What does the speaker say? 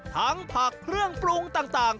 ผักเครื่องปรุงต่าง